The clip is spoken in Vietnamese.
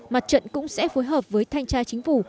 mặt trận cũng sẽ phối hợp với thanh tra chính phủ